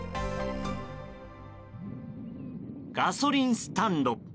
ガソリンスタンド。